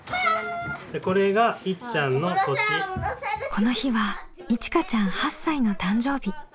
この日はいちかちゃん８歳の誕生日。